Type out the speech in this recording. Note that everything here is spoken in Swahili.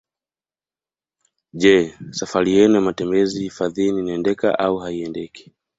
Je safari yenu ya matembezi hifadhini inaendeka au haiendeki